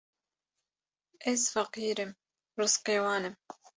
Ez feqîr im rizqê wan im